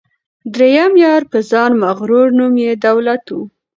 دریم یار په ځان مغرور نوم یې دولت وو